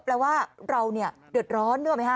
แปลว่าเราเนี่ยเดือดร้อนนึกออกไหมฮะ